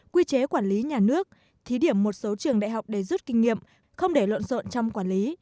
quy chế quản lý nhà nước thí điểm một số trường đại học để rút kinh nghiệm không để lộn rộn trong quản lý